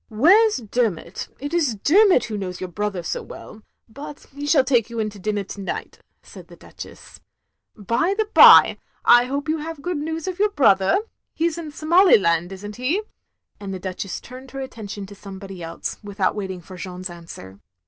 "Where 's Dermot; it is Dermot who knows your brother so well; but he shall take you in to dinner to night, " said the Duchess. " By the bye, I hope you have good news of your brother; he 's in Somaliland, is n't he?" and the Duchess turned her attention to somebody else, without waiting for Jeanne's answer.